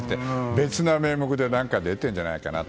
別の名目で出てるんじゃないかと。